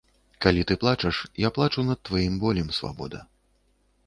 Калі ты плачаш, я плачу над тваім болем, свабода.